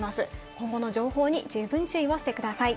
今後の情報に十分注意をしてください。